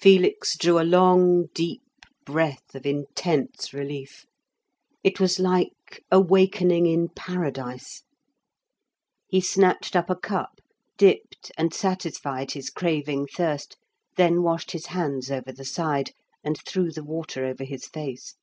Felix drew a long deep breath of intense relief; it was like awakening in Paradise. He snatched up a cup, dipped, and satisfied his craving thirst, then washed his hands over the side, and threw the water over his face.